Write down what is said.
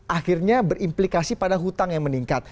akhirnya berimplikasi pada hutang yang meningkat